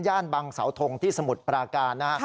ย่านบังเสาธงที่สมุทรปราการ